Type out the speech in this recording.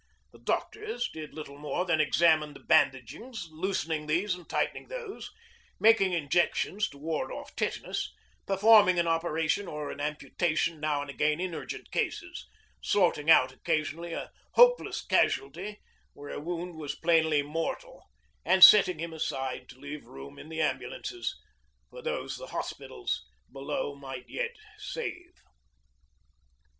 The doctors did little more than examine the bandagings, loosening these and tightening those, making injections to ward off tetanus, performing an operation or an amputation now and again in urgent cases, sorting out occasionally a hopeless casualty where a wound was plainly mortal, and setting him aside to leave room in the ambulances for those the hospitals below might yet save.